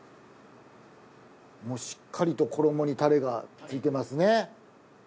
もうしっかりと衣にタレがついてますね。